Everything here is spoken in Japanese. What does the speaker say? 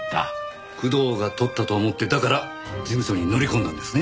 工藤が取ったと思っていたから事務所に乗り込んだんですね。